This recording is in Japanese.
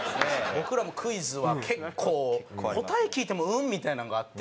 僕らもクイズは結構答え聞いても「うん？」みたいなのがあって。